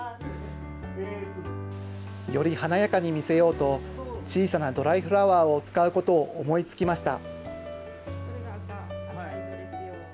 より華やかに見せようと、小さなドライフラワーを使うことを思いつきました。